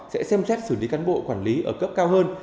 sẽ xem xét xử lý cán bộ quản lý ở cấp cao hơn